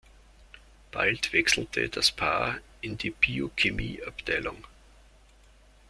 Bald wechselte das Paar in die Biochemie-Abteilung.